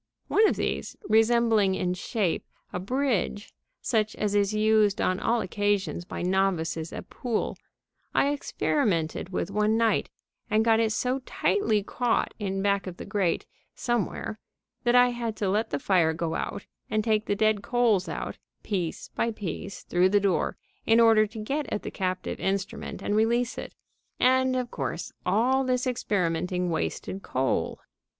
One of these, resembling in shape a bridge, such as is used on all occasions by novices at pool, I experimented with one night and got it so tightly caught in back of the grate somewhere that I had to let the fire go out and take the dead coals out, piece by piece, through the door in order to get at the captive instrument and release it. And, of course, all this experimenting wasted coal.